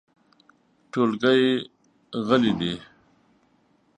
ټولګی غلی دی .